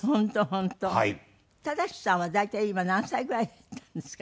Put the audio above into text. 忠志さんは大体今何歳ぐらいになったんですか？